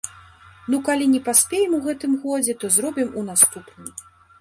Ну, калі не паспеем у гэтым годзе, то зробім у наступным.